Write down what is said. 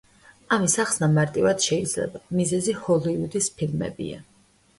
ამის ახსნა მარტივად შეიძლება – მიზეზი ჰოლივუდის ფილმებია.